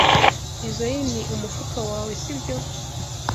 Izoi ni umufuka wawe, sibyo?